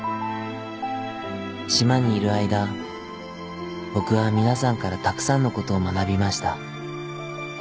島にいる間僕は皆さんからたくさんのことを学びました。